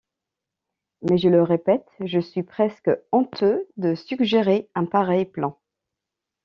Mais, je le répète, je suis presque honteux de suggérer un pareil plan...